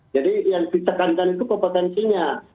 jadi yang ditekankan itu kompetensinya